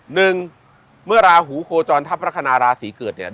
หนึ่งเมื่อราหูโคจรทัพลักษณะราศีเกิดเนี่ย